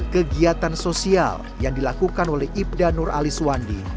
kegiatan sosial yang dilakukan oleh ibda nur ali suwandi